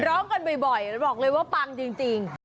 ร้องกันบ่อยบอกเลยว่าปังจริง